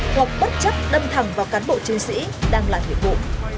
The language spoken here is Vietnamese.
hoặc bất chấp đâm thẳng vào cán bộ chiến sĩ đang làm nhiệm vụ